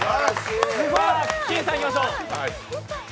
きんさん、いきましょう。